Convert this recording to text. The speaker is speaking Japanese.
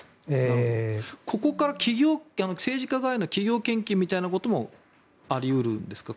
ここから政治家側への企業献金ということもあり得るんですか